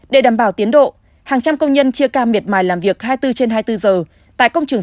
để đảm bảo tiến độ hàng trăm công nhân chia ca miệt mài làm việc hai mươi bốn trên hai mươi bốn giờ tại công trường